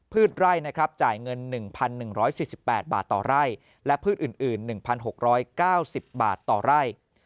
ไร่นะครับจ่ายเงิน๑๑๔๘บาทต่อไร่และพืชอื่น๑๖๙๐บาทต่อไร่